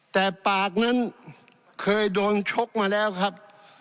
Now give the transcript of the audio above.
แต่ปากนั้นเคยโดนชกมาแล้วครับ